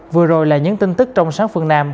vừa rồi là những tin tức trong sáng phương nam